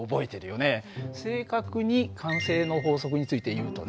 正確に慣性の法則について言うとね